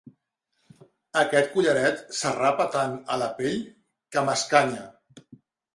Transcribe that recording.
Aquest collaret s'arrapa tant a la pell, que m'escanya.